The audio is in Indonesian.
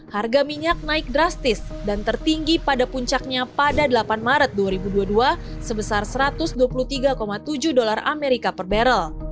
harga minyak naik drastis dan tertinggi pada puncaknya pada delapan maret dua ribu dua puluh dua sebesar satu ratus dua puluh tiga tujuh dolar amerika per barrel